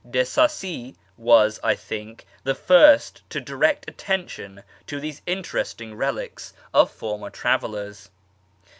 De Sacy was, I think, the first to direct attention to these interesting relics of former travellers.